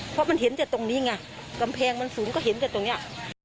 เพราะมันเห็นจากตรงนี้ไงกำแพงมันสูงก็เห็นแต่ตรงเนี้ย